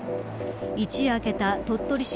一夜明けた鳥取市